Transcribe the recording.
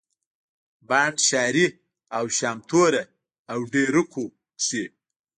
بانډ شاري او شامتوره او ډېره کو کښي